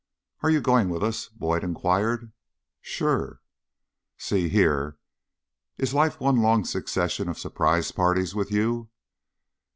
"Are you going with us?" Boyd inquired. "Sure." "See here. Is life one long succession of surprise parties with you?"